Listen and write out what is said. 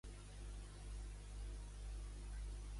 De qui es creu també que podria ser néta, Tebes?